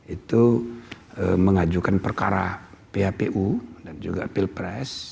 itu mengajukan perkara phpu dan juga pilpres